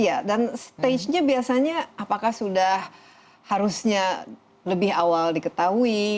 iya dan stage nya biasanya apakah sudah harusnya lebih awal diketahui